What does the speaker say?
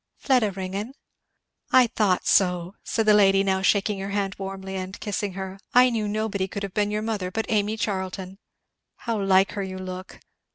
"Fleda Ringgan." "I thought so!" said the lady, now shaking her hand warmly and kissing her, "I knew nobody could have been your mother but Amy Charlton! How like her you look!